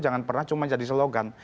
jangan pernah cuma jadi slogan